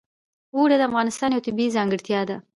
اوړي د افغانستان یوه طبیعي ځانګړتیا ده.